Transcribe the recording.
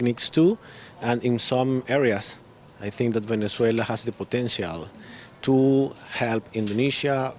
dan di beberapa kawasan saya pikir bahwa venezuela memiliki potensi untuk membantu indonesia